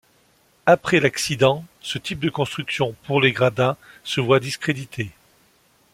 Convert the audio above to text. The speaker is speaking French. Après l’accident, ce type de construction pour les gradins se voit discrédité.